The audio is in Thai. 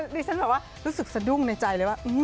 ดิฉันแบบว่ารู้สึกสะดุ้งในใจเลยว่า